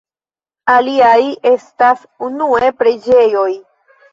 Aliaj estas unue preĝejoj.